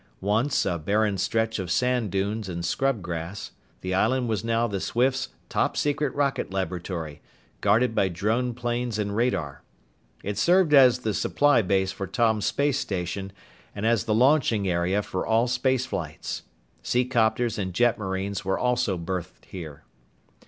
Once a barren stretch of sand dunes and scrub grass, the island was now the Swifts' top secret rocket laboratory, guarded by drone planes and radar. It served as the supply base for Tom's space station and as the launching area for all space flights. Seacopters and jetmarines were also berthed here.